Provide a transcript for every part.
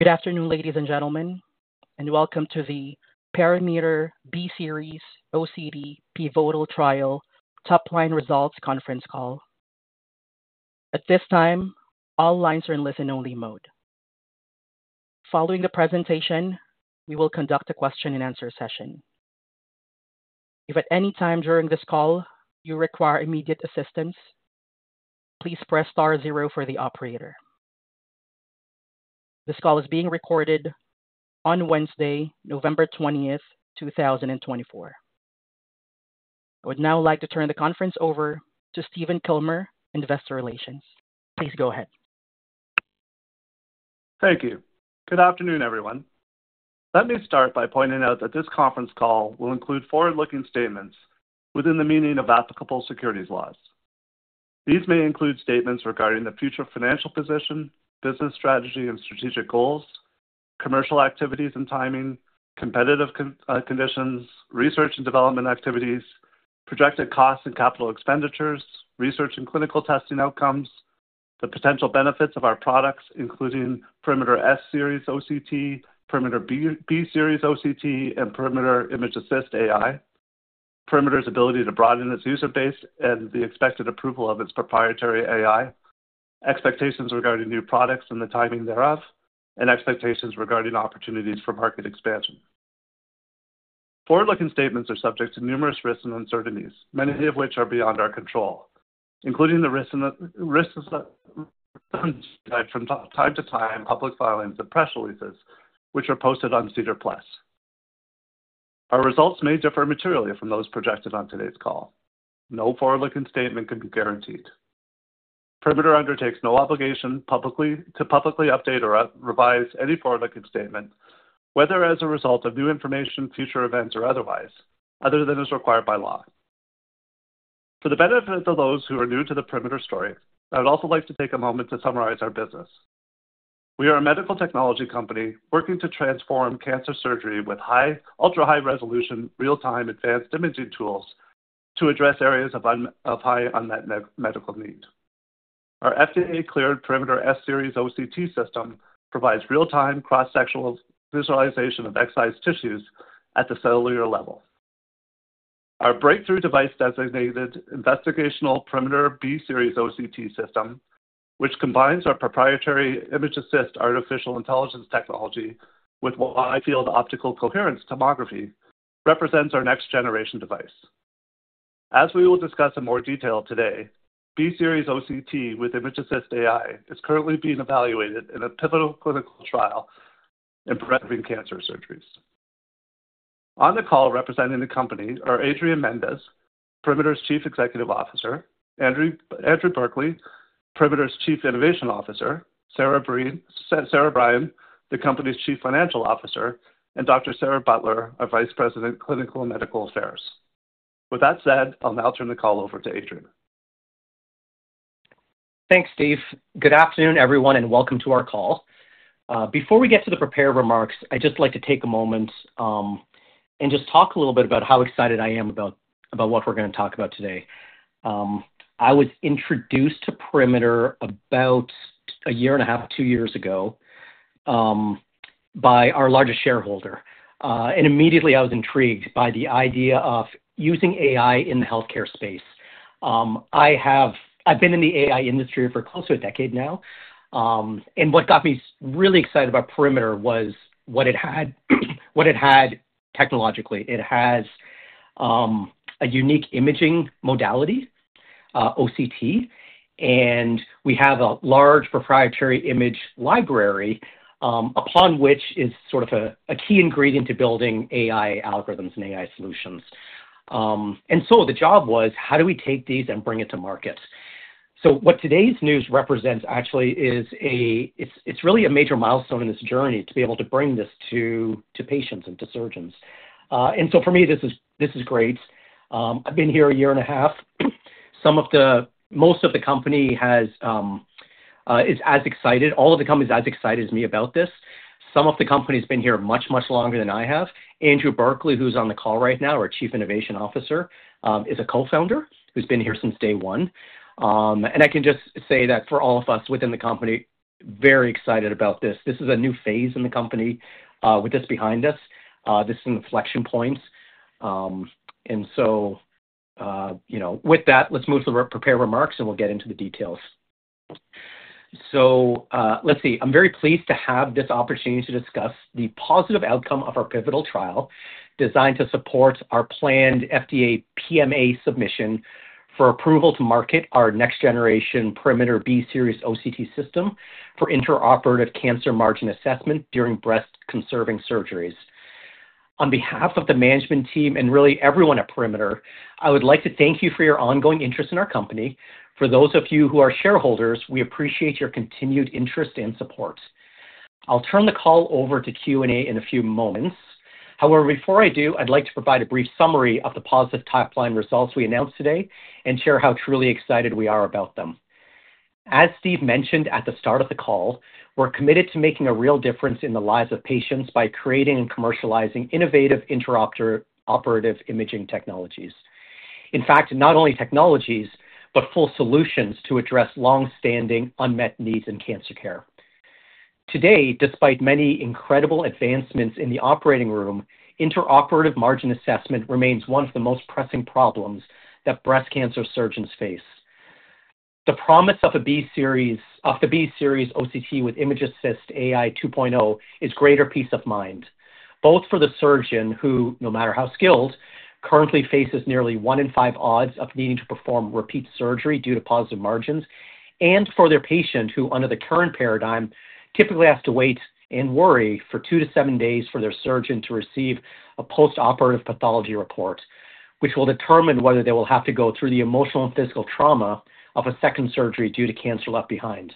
Good afternoon, ladies and gentlemen, and welcome to the Perimeter B-Series OCT Pivotal Trial Top-Line Results Conference Call. At this time, all lines are in listen-only mode. Following the presentation, we will conduct a question-and-answer session. If at any time during this call you require immediate assistance, please press star zero for the operator. This call is being recorded on Wednesday, November 20th, 2024. I would now like to turn the conference over to Stephen Kilmer, Investor Relations. Please go ahead. Thank you. Good afternoon, everyone. Let me start by pointing out that this conference call will include forward-looking statements within the meaning of applicable securities laws. These may include statements regarding the future financial position, business strategy and strategic goals, commercial activities and timing, competitive conditions, research and development activities, projected costs and capital expenditures, research and clinical testing outcomes, the potential benefits of our products, including Perimeter S-Series OCT, Perimeter B-Series OCT, and Perimeter ImgAssist AI, Perimeter's ability to broaden its user base and the expected approval of its proprietary AI, expectations regarding new products and the timing thereof, and expectations regarding opportunities for market expansion. Forward-looking statements are subject to numerous risks and uncertainties, many of which are beyond our control, including the risks from time to time public filings and press releases, which are posted on SEDAR+. Our results may differ materially from those projected on today's call. No forward-looking statement can be guaranteed. Perimeter undertakes no obligation to publicly update or revise any forward-looking statement, whether as a result of new information, future events, or otherwise, other than as required by law. For the benefit of those who are new to the Perimeter story, I would also like to take a moment to summarize our business. We are a medical technology company working to transform cancer surgery with ultra-high resolution, real-time advanced imaging tools to address areas of high unmet medical need. Our FDA-cleared Perimeter S-Series OCT system provides real-time cross-sectional visualization of excised tissues at the cellular level. Our breakthrough device designated Investigational Perimeter B-Series OCT system, which combines our proprietary ImgAssist artificial intelligence technology with wide-field optical coherence tomography, represents our next-generation device. As we will discuss in more detail today, B-Series OCT with ImgAssist AI is currently being evaluated in a pivotal clinical trial in preventing cancer surgeries. On the call representing the company are Adrian Mendes, Perimeter's Chief Executive Officer, Andrew Berkeley, Perimeter's Chief Innovation Officer, Sarah Byrne, the company's Chief Financial Officer, and Dr. Sarah Butler, our Vice President, Clinical and Medical Affairs. With that said, I'll now turn the call over to Adrian. Thanks, Steve. Good afternoon, everyone, and welcome to our call. Before we get to the prepared remarks, I'd just like to take a moment and just talk a little bit about how excited I am about what we're going to talk about today. I was introduced to Perimeter about a year and a half, two years ago by our largest shareholder, and immediately, I was intrigued by the idea of using AI in the healthcare space. I've been in the AI industry for close to a decade now, and what got me really excited about Perimeter was what it had technologically. It has a unique imaging modality, OCT, and we have a large proprietary image library upon which is sort of a key ingredient to building AI algorithms and AI solutions, and so the job was, how do we take these and bring it to market? What today's news represents, actually, is it's really a major milestone in this journey to be able to bring this to patients and to surgeons. And so for me, this is great. I've been here a year and a half. Most of the company is as excited, all of the companies, as excited as me about this. Some of the companies have been here much, much longer than I have. Andrew Berkeley, who's on the call right now, our Chief Innovation Officer, is a co-founder who's been here since day one. And I can just say that for all of us within the company, very excited about this. This is a new phase in the company with this behind us. This is an inflection point. And so with that, let's move to the prepared remarks, and we'll get into the details. So let's see. I'm very pleased to have this opportunity to discuss the positive outcome of our pivotal trial designed to support our planned FDA, PMA submission for approval to market our next-generation Perimeter B-Series OCT system for intraoperative cancer margin assessment during breast-conserving surgeries. On behalf of the management team and really everyone at Perimeter, I would like to thank you for your ongoing interest in our company. For those of you who are shareholders, we appreciate your continued interest and support. I'll turn the call over to Q&A in a few moments. However, before I do, I'd like to provide a brief summary of the positive top-line results we announced today and share how truly excited we are about them. As Steve mentioned at the start of the call, we're committed to making a real difference in the lives of patients by creating and commercializing innovative intraoperative imaging technologies. In fact, not only technologies, but full solutions to address long-standing unmet needs in cancer care. Today, despite many incredible advancements in the operating room, intraoperative margin assessment remains one of the most pressing problems that breast cancer surgeons face. The promise of the B-Series OCT with ImgAssist AI 2.0 is greater peace of mind, both for the surgeon who, no matter how skilled, currently faces nearly one in five odds of needing to perform repeat surgery due to positive margins, and for their patient who, under the current paradigm, typically has to wait and worry for two to seven days for their surgeon to receive a post-operative pathology report, which will determine whether they will have to go through the emotional and physical trauma of a second surgery due to cancer left behind.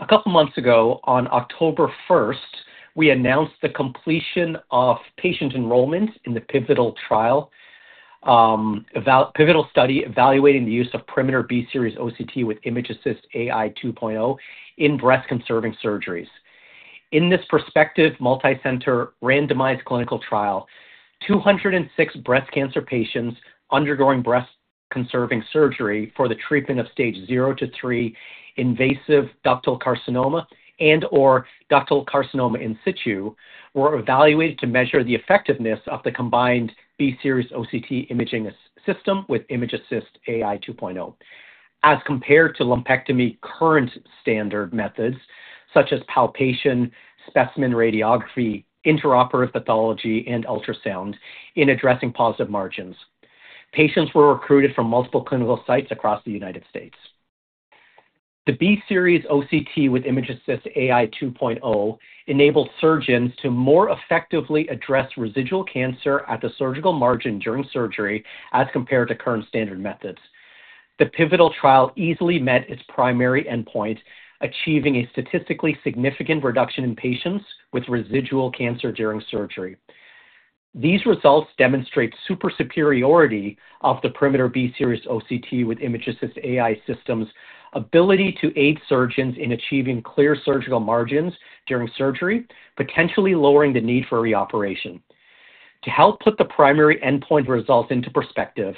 A couple of months ago, on October 1st, we announced the completion of patient enrollment in the pivotal study evaluating the use of Perimeter B-Series OCT with ImgAssist AI 2.0 in breast-conserving surgeries. In this prospective multi-center randomized clinical trial, 206 breast cancer patients undergoing breast-conserving surgery for the treatment of Stage 0-3 invasive ductal carcinoma and/or ductal carcinoma in situ were evaluated to measure the effectiveness of the combined B-Series OCT imaging system with ImgAssist AI 2.0, as compared to lumpectomy current standard methods, such as palpation, specimen radiography, intraoperative pathology, and ultrasound in addressing positive margins. Patients were recruited from multiple clinical sites across the United States. The B-Series OCT with ImgAssist AI 2.0 enabled surgeons to more effectively address residual cancer at the surgical margin during surgery as compared to current standard methods. The pivotal trial easily met its primary endpoint, achieving a statistically significant reduction in patients with residual cancer during surgery. These results demonstrate superiority of the Perimeter B-Series OCT with ImgAssist AI system's ability to aid surgeons in achieving clear surgical margins during surgery, potentially lowering the need for reoperation. To help put the primary endpoint results into perspective,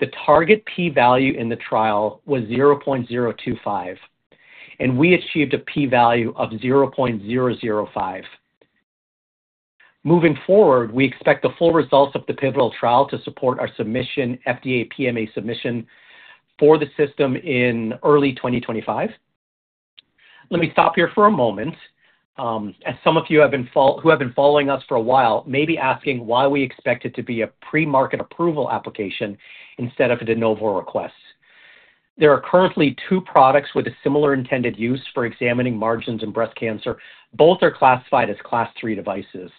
the target P-value in the trial was 0.025, and we achieved a P-value of 0.005. Moving forward, we expect the full results of the pivotal trial to support our FDA, PMA submission for the system in early 2025. Let me stop here for a moment. As some of you who have been following us for a while may be asking why we expect it to be a pre-market approval application instead of a de novo request. There are currently two products with a similar intended use for examining margins in breast cancer. Both are classified as Class III devices.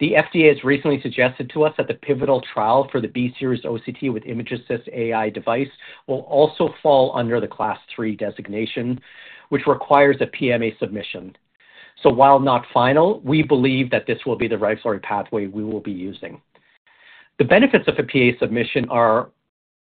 The FDA has recently suggested to us that the pivotal trial for the B-Series OCT with ImgAssist AI device will also fall under the Class III designation, which requires a PMA submission. So while not final, we believe that this will be the regulatory pathway we will be using. The benefits of a PMA submission are,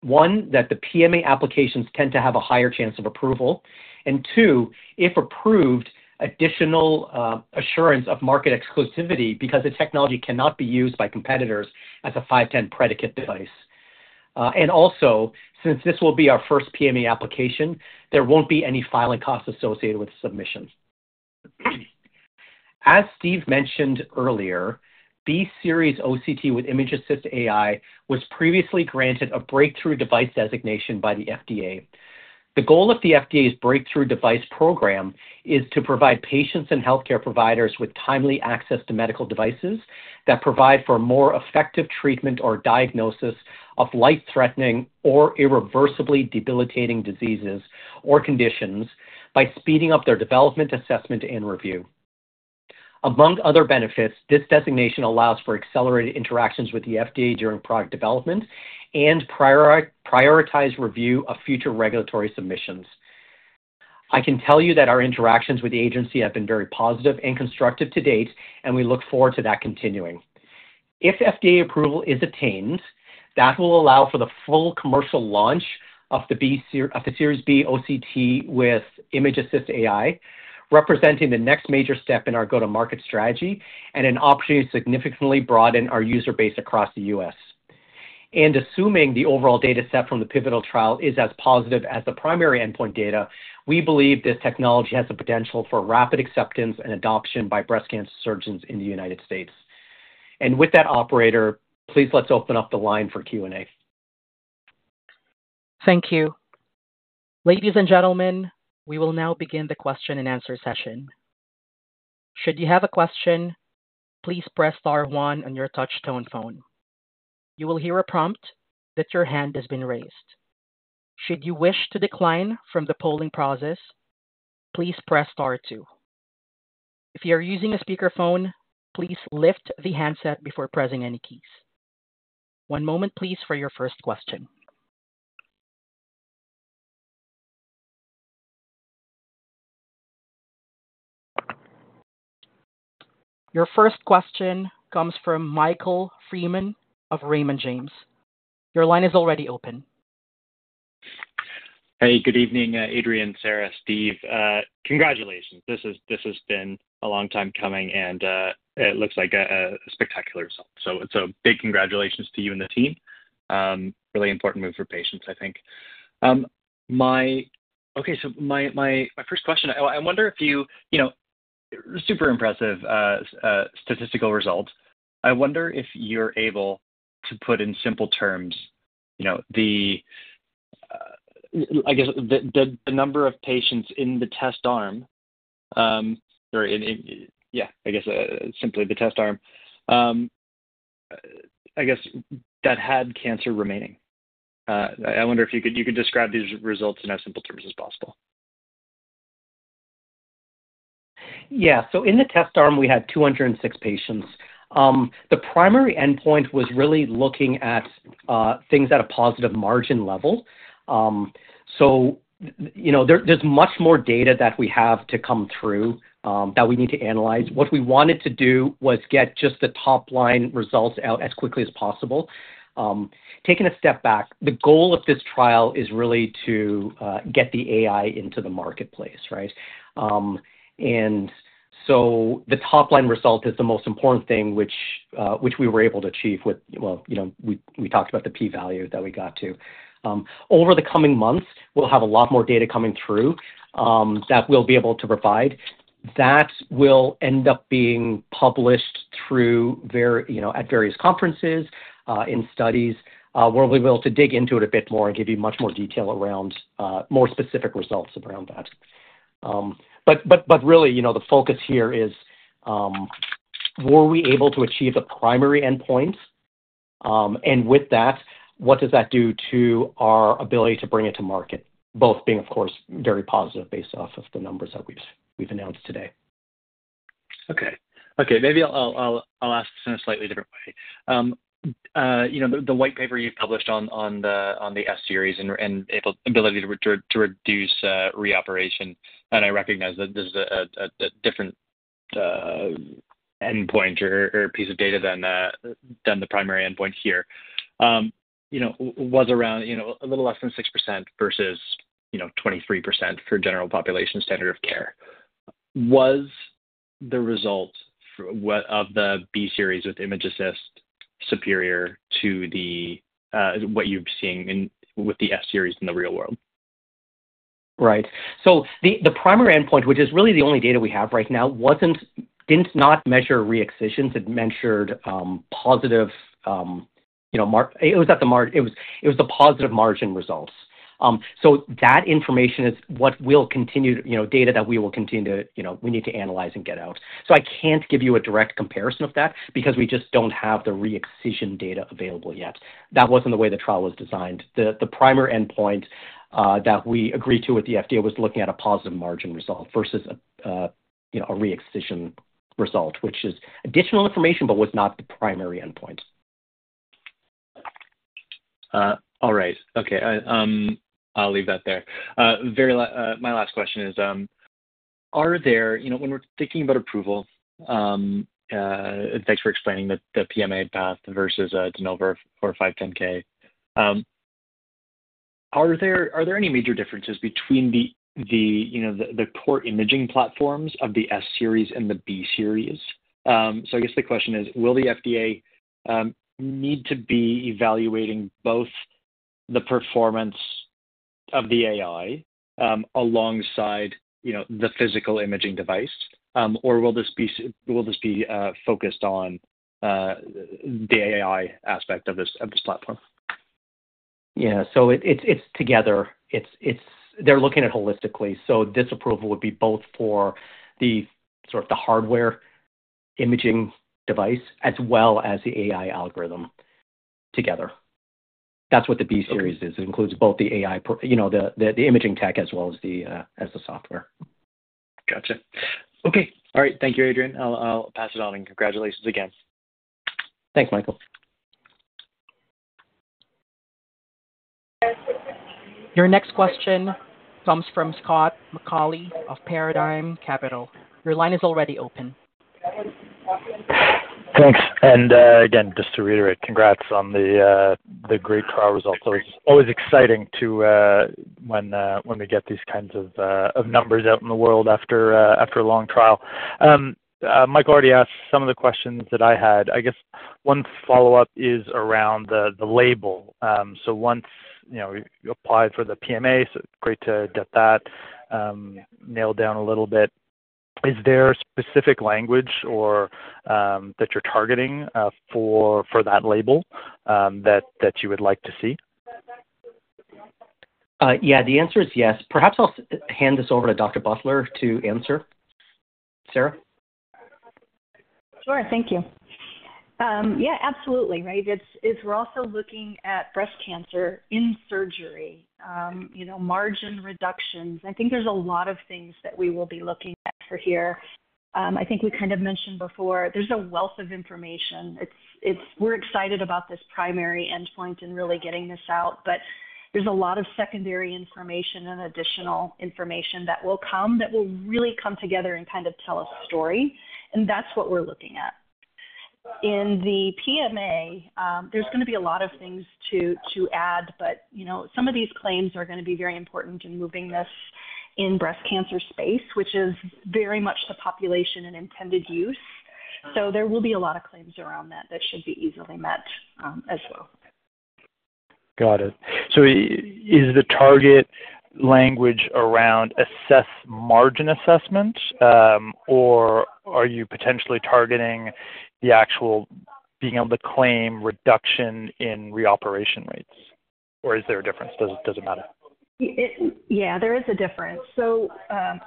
one, that the PMA applications tend to have a higher chance of approval, and two, if approved, additional assurance of market exclusivity because the technology cannot be used by competitors as a 510(k) predicate device. And also, since this will be our first PMA application, there won't be any filing costs associated with submission. As Steve mentioned earlier, B-Series OCT with ImgAssist AI was previously granted a breakthrough device designation by the FDA. The goal of the FDA's breakthrough device program is to provide patients and healthcare providers with timely access to medical devices that provide for more effective treatment or diagnosis of life-threatening or irreversibly debilitating diseases or conditions by speeding up their development, assessment, and review. Among other benefits, this designation allows for accelerated interactions with the FDA during product development and prioritized review of future regulatory submissions. I can tell you that our interactions with the agency have been very positive and constructive to date, and we look forward to that continuing. If FDA approval is attained, that will allow for the full commercial launch of the B-Series OCT with ImgAssist AI, representing the next major step in our go-to-market strategy and an opportunity to significantly broaden our user base across the U.S. And assuming the overall data set from the pivotal trial is as positive as the primary endpoint data, we believe this technology has the potential for rapid acceptance and adoption by breast cancer surgeons in the United States. And with that, operator, please let's open up the line for Q&A. Thank you. Ladies and gentlemen, we will now begin the question and answer session. Should you have a question, please press star one on your touch-tone phone. You will hear a prompt that your hand has been raised. Should you wish to decline from the polling process, please press star two. If you are using a speakerphone, please lift the handset before pressing any keys. One moment, please, for your first question. Your first question comes from Michael Freeman of Raymond James. Your line is already open. Hey, good evening, Adrian, Sarah, Stephen. Congratulations. This has been a long time coming, and it looks like a spectacular result, so it's a big congratulations to you and the team. Really important move for patients, I think. Okay, so my first question, I wonder if your super impressive statistical result. I wonder if you're able to put in simple terms the, I guess, the number of patients in the test arm or in, yeah, I guess, simply the test arm, I guess, that had cancer remaining. I wonder if you could describe these results in as simple terms as possible. Yeah. So in the test arm, we had 206 patients. The primary endpoint was really looking at things at a positive margin level. So there's much more data that we have to come through that we need to analyze. What we wanted to do was get just the top-line results out as quickly as possible. Taking a step back, the goal of this trial is really to get the AI into the marketplace, right? And so the top-line result is the most important thing, which we were able to achieve with, well, we talked about the P-value that we got to. Over the coming months, we'll have a lot more data coming through that we'll be able to provide. That will end up being published throughout various conferences in studies where we'll be able to dig into it a bit more and give you much more detail around more specific results around that. But really, the focus here is, were we able to achieve the primary endpoint? And with that, what does that do to our ability to bring it to market, both being, of course, very positive based off of the numbers that we've announced today. Maybe I'll ask this in a slightly different way. The white paper you published on the S-Series and ability to reduce reoperation, and I recognize that this is a different endpoint or piece of data than the primary endpoint here, was around a little less than 6% versus 23% for general population standard of care. Was the result of the B-Series with ImgAssist superior to what you're seeing with the S-Series in the real world? Right. So the primary endpoint, which is really the only data we have right now, did not measure re-excisions. It measured positive margin results. So that information is data that we need to analyze and get out. So I can't give you a direct comparison of that because we just don't have the re-excision data available yet. That wasn't the way the trial was designed. The primary endpoint that we agreed to with the FDA was looking at a positive margin result versus a re-excision result, which is additional information, but was not the primary endpoint. All right. Okay. I'll leave that there. My last question is, when we're thinking about approval, thanks for explaining the PMA path versus a de novo or 510(k), are there any major differences between the core imaging platforms of the S-Series and the B-Series? So I guess the question is, will the FDA need to be evaluating both the performance of the AI alongside the physical imaging device, or will this be focused on the AI aspect of this platform? Yeah. So it's together. They're looking at it holistically. So this approval would be both for the sort of the hardware imaging device as well as the AI algorithm together. That's what the B-Series is. It includes both the AI, the imaging tech, as well as the software. Gotcha. Okay. All right. Thank you, Adrian. I'll pass it on and congratulations again. Thanks, Michael. Your next question comes from Scott McAuley of Paradigm Capital. Your line is already open. Thanks. And again, just to reiterate, congrats on the great trial results. Always exciting when we get these kinds of numbers out in the world after a long trial. Michael already asked some of the questions that I had. I guess one follow-up is around the label. So once you applied for the PMA, so great to get that nailed down a little bit. Is there specific language that you're targeting for that label that you would like to see? Yeah. The answer is yes. Perhaps I'll hand this over to Dr. Butler to answer. Sarah? Sure. Thank you. Yeah, absolutely. Right? We're also looking at breast cancer in surgery, margin reductions. I think there's a lot of things that we will be looking at for here. I think we kind of mentioned before, there's a wealth of information. We're excited about this primary endpoint and really getting this out, but there's a lot of secondary information and additional information that will come that will really come together and kind of tell a story, and that's what we're looking at. In the PMA, there's going to be a lot of things to add, but some of these claims are going to be very important in moving this in breast cancer space, which is very much the population and intended use, so there will be a lot of claims around that that should be easily met as well. Got it. So is the target language around assess margin assessments, or are you potentially targeting the actual being able to claim reduction in reoperation rates, or is there a difference? Does it matter? Yeah, there is a difference. So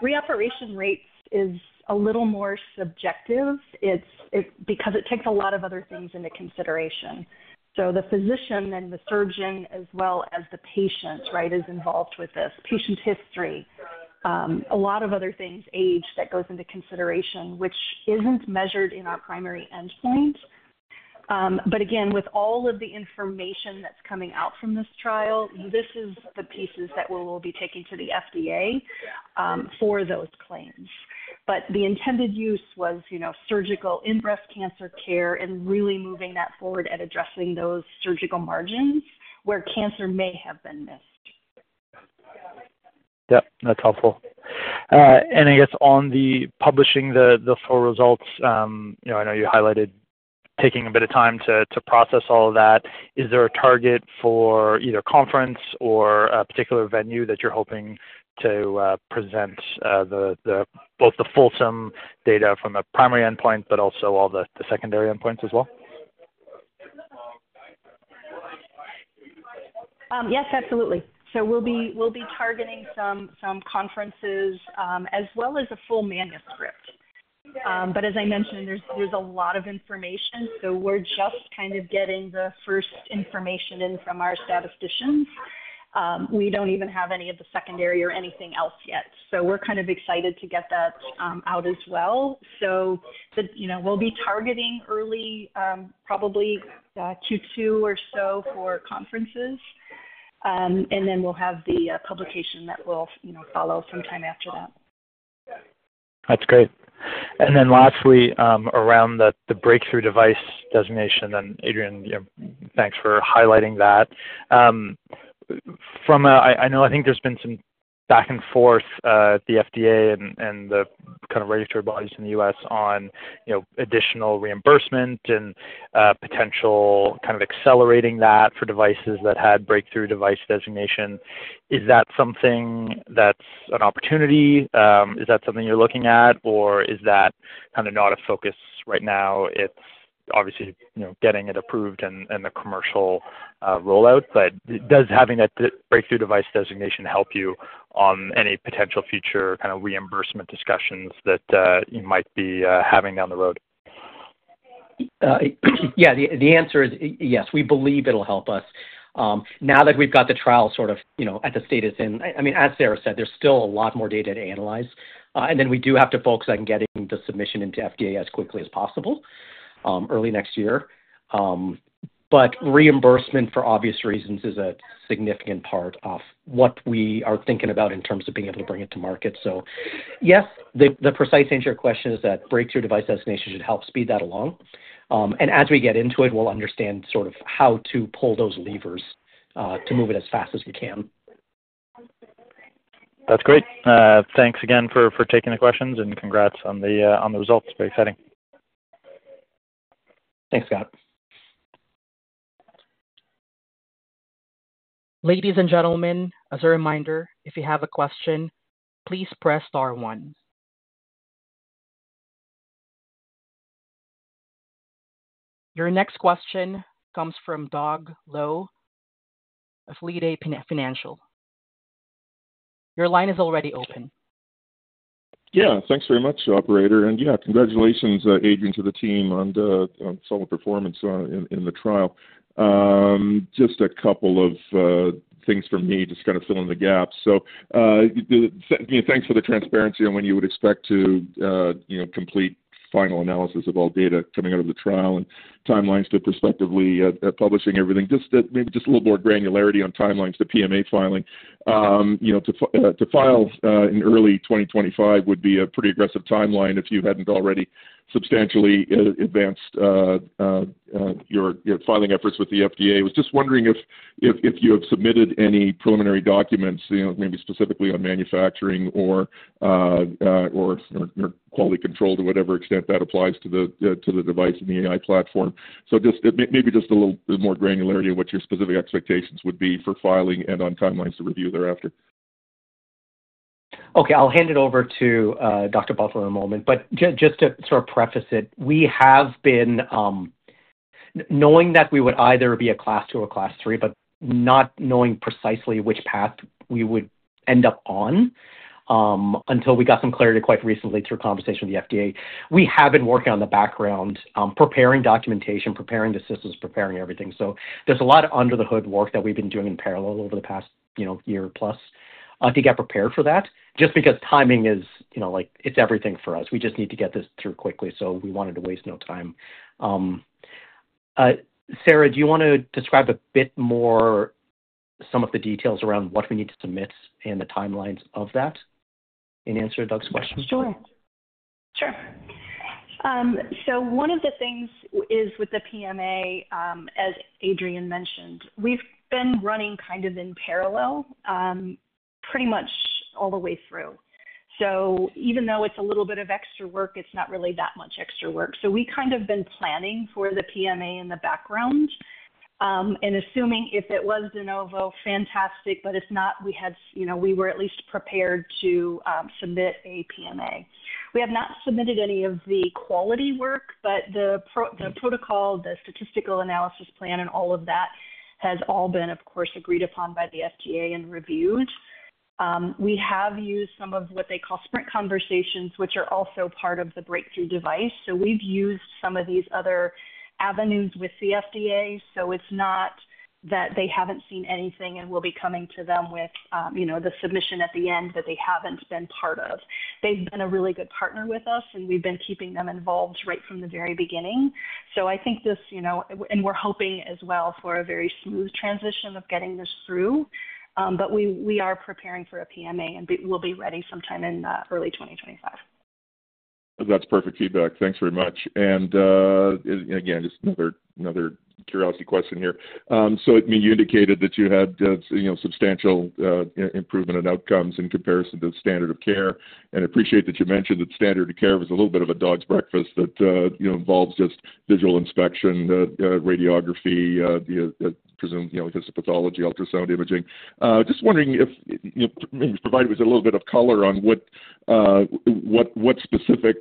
reoperation rates is a little more subjective because it takes a lot of other things into consideration. So the physician and the surgeon, as well as the patient, right, is involved with this. Patient history, a lot of other things, age that goes into consideration, which isn't measured in our primary endpoint. But again, with all of the information that's coming out from this trial, this is the pieces that we will be taking to the FDA for those claims. But the intended use was surgical in breast cancer care and really moving that forward at addressing those surgical margins where cancer may have been missed. Yep. That's helpful. And I guess on the publishing the full results, I know you highlighted taking a bit of time to process all of that. Is there a target for either conference or a particular venue that you're hoping to present both the fulsome data from the primary endpoint, but also all the secondary endpoints as well? Yes, absolutely. So we'll be targeting some conferences as well as a full manuscript. But as I mentioned, there's a lot of information. So we're just kind of getting the first information in from our statisticians. We don't even have any of the secondary or anything else yet. So we're kind of excited to get that out as well. So we'll be targeting early, probably Q2 or so for conferences. And then we'll have the publication that will follow sometime after that. That's great. And then lastly, around the breakthrough device designation, and Adrian, thanks for highlighting that. I know I think there's been some back and forth at the FDA and the kind of regulatory bodies in the U.S. on additional reimbursement and potential kind of accelerating that for devices that had breakthrough device designation. Is that something that's an opportunity? Is that something you're looking at, or is that kind of not a focus right now? It's obviously getting it approved and the commercial rollout, but does having that breakthrough device designation help you on any potential future kind of reimbursement discussions that you might be having down the road? Yeah. The answer is yes. We believe it'll help us. Now that we've got the trial sort of at the status in, I mean, as Sarah said, there's still a lot more data to analyze, and then we do have to focus on getting the submission into FDA as quickly as possible early next year, but reimbursement, for obvious reasons, is a significant part of what we are thinking about in terms of being able to bring it to market, so yes, the precise answer to your question is that Breakthrough Device Designation should help speed that along, and as we get into it, we'll understand sort of how to pull those levers to move it as fast as we can. That's great. Thanks again for taking the questions, and congrats on the results. Very exciting. Thanks, Scott. Ladies and gentlemen, as a reminder, if you have a question, please press star one. Your next question comes from Doug Loe, Leede Financial. Your line is already open. Yeah. Thanks very much, Operator. And yeah, congratulations, Adrian, to the team on solid performance in the trial. Just a couple of things from me just kind of filling the gaps. So thanks for the transparency on when you would expect to complete final analysis of all data coming out of the trial and timelines to prospectively publishing everything. Just maybe just a little more granularity on timelines to PMA filing. To file in early 2025 would be a pretty aggressive timeline if you hadn't already substantially advanced your filing efforts with the FDA. I was just wondering if you have submitted any preliminary documents, maybe specifically on manufacturing or quality control to whatever extent that applies to the device and the AI platform. So maybe just a little more granularity of what your specific expectations would be for filing and on timelines to review thereafter. Okay. I'll hand it over to Dr. Butler in a moment. But just to sort of preface it, we have been knowing that we would either be a Class II or Class III, but not knowing precisely which path we would end up on until we got some clarity quite recently through conversation with the FDA. We have been working on the background, preparing documentation, preparing the systems, preparing everything. So there's a lot of under-the-hood work that we've been doing in parallel over the past year-plus to get prepared for that. Just because timing is everything for us. We just need to get this through quickly. So we wanted to waste no time. Sarah, do you want to describe a bit more some of the details around what we need to submit and the timelines of that and answer Doug's question? Sure. Sure. So one of the things is with the PMA, as Adrian mentioned, we've been running kind of in parallel pretty much all the way through. So even though it's a little bit of extra work, it's not really that much extra work. So we kind of been planning for the PMA in the background and assuming if it was de novo, fantastic. But if not, we were at least prepared to submit a PMA. We have not submitted any of the quality work, but the protocol, the statistical analysis plan, and all of that has all been, of course, agreed upon by the FDA and reviewed. We have used some of what they call sprint conversations, which are also part of the breakthrough device. So we've used some of these other avenues with the FDA. So it's not that they haven't seen anything, and we'll be coming to them with the submission at the end that they haven't been part of. They've been a really good partner with us, and we've been keeping them involved right from the very beginning. So I think this, and we're hoping as well for a very smooth transition of getting this through. But we are preparing for a PMA, and we'll be ready sometime in early 2025. That's perfect feedback. Thanks very much. And again, just another curiosity question here. So you indicated that you had substantial improvement in outcomes in comparison to standard of care. And I appreciate that you mentioned that standard of care was a little bit of a dog's breakfast that involves just visual inspection, radiography, presumably histopathology, ultrasound imaging. Just wondering if you provided with a little bit of color on what specific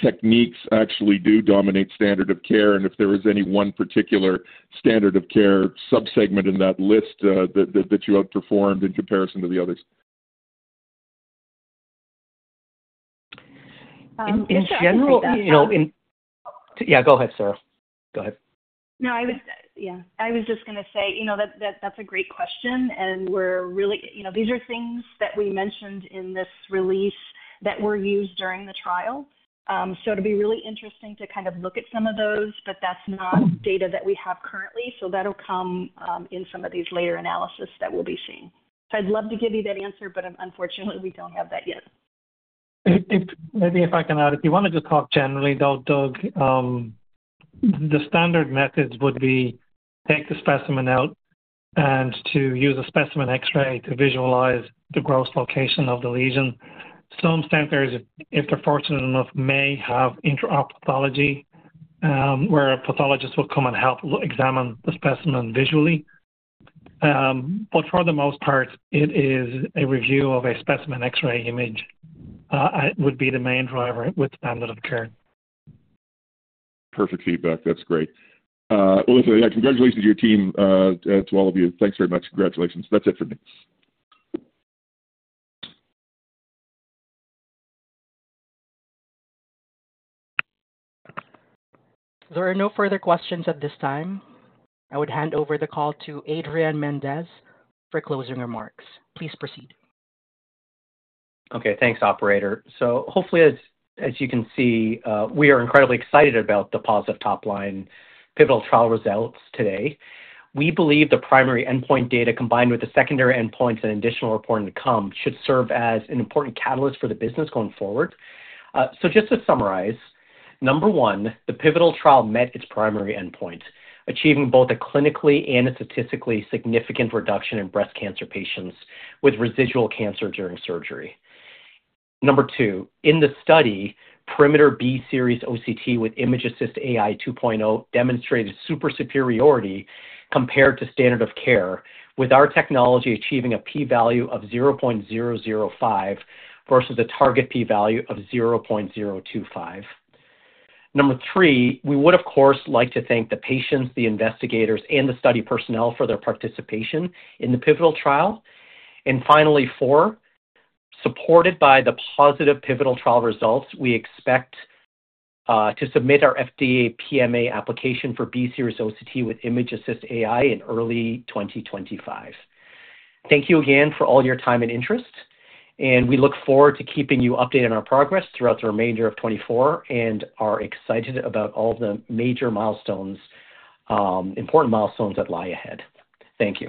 techniques actually do dominate standard of care and if there is any one particular standard of care subsegment in that list that you outperformed in comparison to the others? In general. Yeah. Go ahead, Sarah. Go ahead. No, I was just going to say that's a great question. And these are things that we mentioned in this release that were used during the trial. So it'll be really interesting to kind of look at some of those, but that's not data that we have currently. So that'll come in some of these later analyses that we'll be seeing. So I'd love to give you that answer, but unfortunately, we don't have that yet. Maybe if I can add, if you want to just talk generally, Doug, the standard methods would be take the specimen out and to use a specimen X-ray to visualize the gross location of the lesion. Some centers, if they're fortunate enough, may have intraop pathology where a pathologist will come and help examine the specimen visually. But for the most part, it is a review of a specimen X-ray image would be the main driver with standard of care. Perfect feedback. That's great. Well, listen, yeah, congratulations to your team, to all of you. Thanks very much. Congratulations. That's it for me. There are no further questions at this time. I would hand over the call to Adrian Mendes for closing remarks. Please proceed. Okay. Thanks, Operator. So hopefully, as you can see, we are incredibly excited about the positive top line pivotal trial results today. We believe the primary endpoint data combined with the secondary endpoints and additional reporting to come should serve as an important catalyst for the business going forward. So just to summarize, number one, the pivotal trial met its primary endpoint, achieving both a clinically and statistically significant reduction in breast cancer patients with residual cancer during surgery. Number two, in the study, Perimeter B-Series OCT with ImgAssist AI 2.0 demonstrated superiority compared to standard of care, with our technology achieving a P-value of 0.005 versus a target P-value of 0.025. Number three, we would, of course, like to thank the patients, the investigators, and the study personnel for their participation in the pivotal trial. And finally, four, supported by the positive pivotal trial results, we expect to submit our FDA, PMA application for B-Series OCT with ImgAssist AI in early 2025. Thank you again for all your time and interest. And we look forward to keeping you updated on our progress throughout the remainder of 2024 and are excited about all the major milestones, important milestones that lie ahead. Thank you.